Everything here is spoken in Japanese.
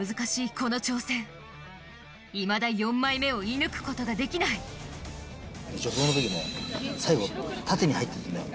この挑戦いまだ４枚目を射抜くことができない助走の時も最後縦に入っていってみよう。